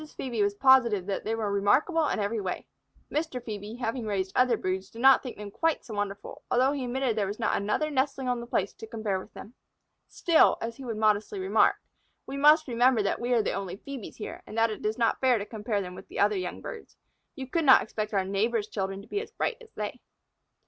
Phœbe was positive that they were remarkable in every way. Mr. Phœbe, having raised other broods, did not think them quite so wonderful, although he admitted that there was not another nestling on the place to compare with them. "Still," as he would modestly remark, "we must remember that we are the only Phœbes here, and that it is not fair to compare them with the young of other birds. You could not expect our neighbors' children to be as bright as they."